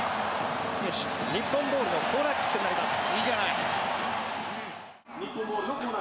日本ボールのコーナーキックになります。